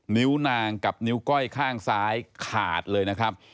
นิ้วนางกับนิ้วก้อยข้างซ้ายขาดเลยนะครับ